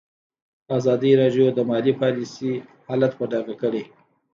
ازادي راډیو د مالي پالیسي حالت په ډاګه کړی.